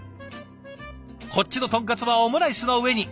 こっちの豚カツはオムライスの上に。